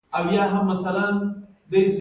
آیا علمي مجلې شته؟